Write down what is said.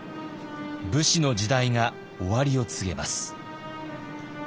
武士の時代が終わりを告げます。